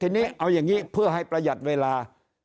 ทีนี้เอาอย่างนี้เพื่อให้ประหยัดเวลา